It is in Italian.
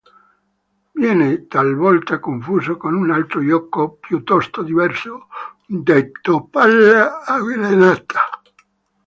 Viene talvolta confuso con un altro gioco, piuttosto diverso, detto palla avvelenata.